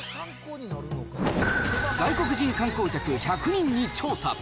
外国人観光客１００人に調査！